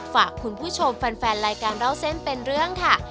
ฝากคุณผู้ชมแฟนรายการเล่าเส้นเป็นเรื่องค่ะ